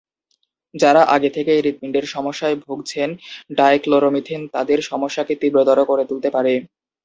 যারা আগে থেকেই হৃৎপিণ্ডের সমস্যায় ভুগছেন, ডাইক্লোরোমিথেন তাদের সমস্যাকে তীব্রতর করে তুলতে পারে।